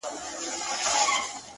دغه د کرکي او نفرت کليمه-